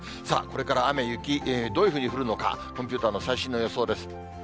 さあ、これから雨、雪、どういうふうに降るのか、コンピューターの最深の予想です。